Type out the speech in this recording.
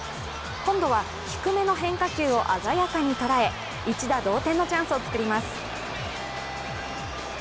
今度は低めの変化球を鮮やかに捉え一打同点のチャンスを作ります。